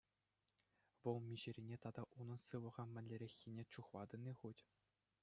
Вӑл миҫерине тата унӑн сывлӑхе мӗнлереххине чухлатӑн-и хуть?